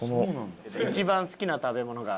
一番好きな食べ物がカレー。